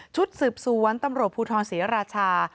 ชุดสืบสวนตำรวจภูทรศรีราชา